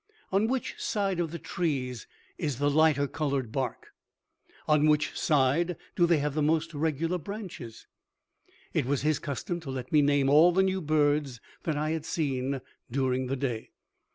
"On which side of the trees is the lighter colored bark? On which side do they have most regular branches?" It was his custom to let me name all the new birds that I had seen during the day.